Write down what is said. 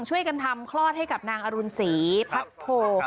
ช่วยกันทำคลอดให้กับนางอรุณศรีพัทโท